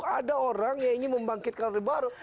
ada orang yang ingin membangkitkan orde baru